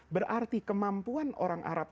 berarti kemampuan orang arab